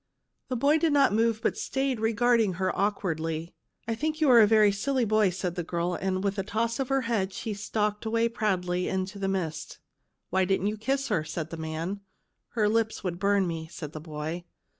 The boy did not move, but stayed regarding her awkwardly. " I think you are a very silly boy," said the girl, with a toss of her head, and she stalked away proudly into the mist. "Why didn't you kiss her?" asked the man. " Her lips would burn me," said the boy.